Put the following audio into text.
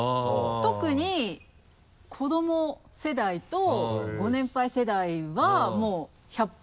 特に子ども世代とご年配世代はもう１００％。